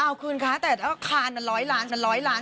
เอ้าขึ้นค่ะแต่ค่านั้นร้อยล้านล้อยล้าน